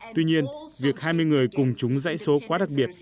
tuy nhiên việc hai mươi người cùng chúng giải số quá đặc biệt